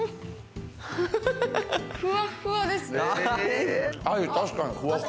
ふわふわですね。